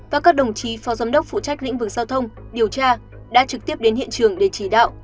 và các đồng chí phó giám đốc phụ trách lĩnh vực giao thông điều tra đã trực tiếp đến hiện trường để chỉ đạo